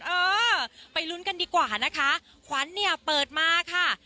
เออไปลุ้นกันดีกว่านะคะขวัญเนี่ยเปิดมาค่ะ